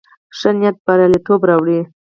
ښه نيت برياليتوب راوړي.